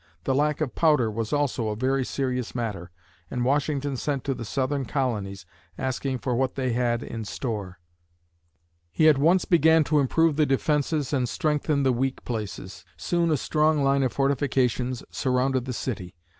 The lack of powder was also a very serious matter and Washington sent to the southern colonies, asking for what they had in store. He at once began to improve the defenses and strengthen the weak places. Soon a strong line of fortifications surrounded the city.